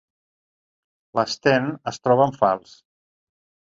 L'Sten es troba en fals.